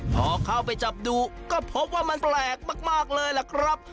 พอเข้าไปจับดูก็พบว่ามันแปลกมากเลยล่ะครับ